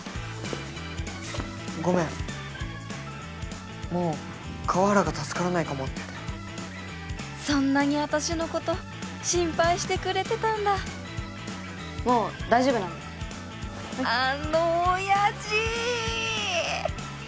ごめんもう川原が助からないかもってそんなに私のこと心配してくれてたんだもう大丈夫なんでほいあの親父！